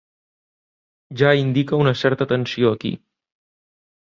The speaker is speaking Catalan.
Ja indica una certa tensió aquí.